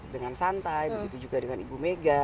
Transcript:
dengan santai begitu juga dengan ibu mega